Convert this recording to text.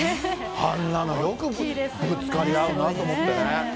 あんなのよくぶつかり合うなと思ってね。